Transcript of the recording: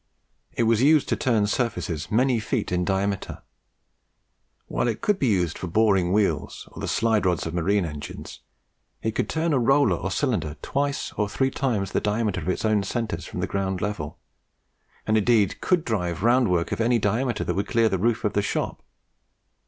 It was used to turn surfaces many feet in diameter. While it could be used for boring wheels, or the side rods of marine engines, it could turn a roller or cylinder twice or three times the diameter of its own centres from the ground level, and indeed could drive round work of any diameter that would clear the roof of the shop.